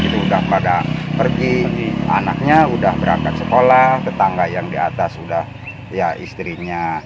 sudah pada pergi anaknya udah berangkat sekolah tetangga yang di atas sudah ya istrinya